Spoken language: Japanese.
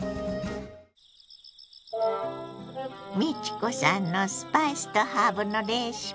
美智子さんのスパイスとハーブのレシピ。